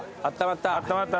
あったまった。